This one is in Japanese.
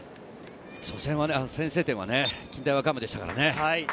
先制点はね、近大和歌山でしたからね。